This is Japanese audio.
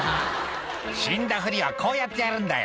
「死んだふりはこうやってやるんだよ」